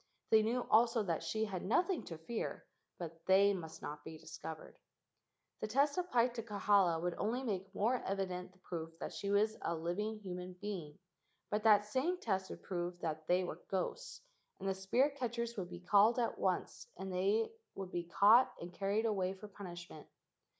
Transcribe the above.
They knew also that she had nothing to fear, but they must not be discovered. The test applied to Kahala would only make more evident the proof that she was a living human being, but that same test would prove that they were ghosts, and the spirit catchers would be called at once and they would be caught and carried away for punishment.